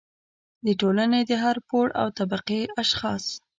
د ټولنې د هر پوړ او طبقې اشخاص